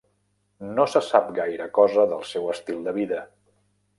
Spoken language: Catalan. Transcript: No se sap gaire cosa del seu estil de vida.